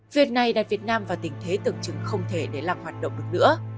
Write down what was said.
việc này đặt việt nam vào tình thế tưởng chứng không thể để lặng hoạt động được nữa